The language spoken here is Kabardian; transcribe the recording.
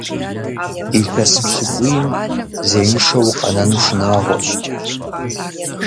Илъэс пщыкӀуийм зеиншэу укъэнэну шынагъуэщ.